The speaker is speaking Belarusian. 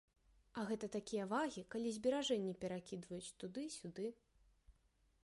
А гэта такія вагі, калі зберажэнні перакідваюць туды-сюды.